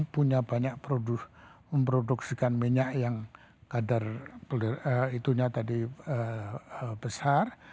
punya banyak memproduksikan minyak yang kadar itunya tadi besar